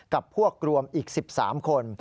กับพวกรวมอีก๑๓คน